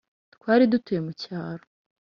twari dutuye mu cyaro,